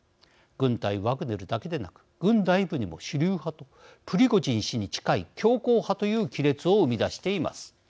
軍対ワグネルだけでなく軍内部にも主流派とプリゴジン氏に近い強硬派という亀裂を生み出しています。